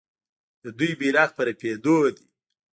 د دوی بیرغ په رپیدو دی.